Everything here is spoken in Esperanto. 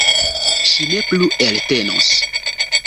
Ŝi ne plu eltenos.